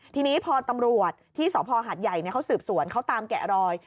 ทีนี้พอตำรวจที่สภหัดใหญ่เขาสืบสวนเขาตามแกะรอย